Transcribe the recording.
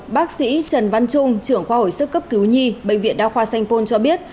bác sĩ trần văn trung trưởng khoa hồi sức cấp cứu nhi bệnh viện đa khoa sanh pôn cho biết